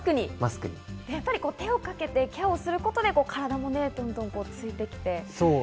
手をかけてケアすることで体もついてきて。